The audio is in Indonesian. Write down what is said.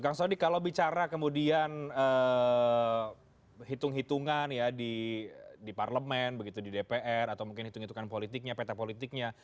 kang sodik kalau bicara kemudian hitung hitungan ya di parlemen begitu di dpr atau mungkin hitung hitungan politiknya peta politiknya